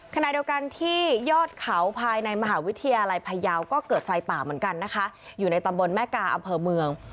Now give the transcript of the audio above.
ขณะเดียวกันที่ยอดเขาภายในมหาวิทยาลัยพยาวก็เกิดไฟป่าเหมือนกันนะคะอยู่ในตำบลแม่กาอำเภอเมือง